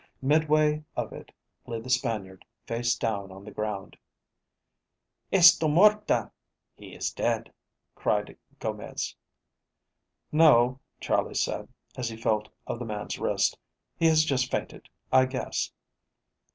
Midway of it lay the Spaniard, face down on the ground. "Esto Morta (he is dead)!" cried Gomez. "No," Charley said, as he felt of the man's wrist. "He has just fainted, I guess.